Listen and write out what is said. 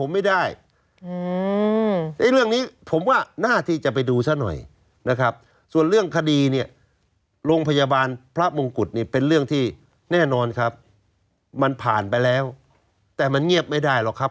ผมเลือกจริงครับผมไปไหนผมปลอมตัวครับ